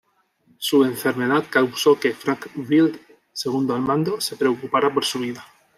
Su enfermedad causó que Frank Wild, segundo al mando, se preocupara por su vida.